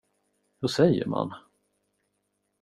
Hur säger man?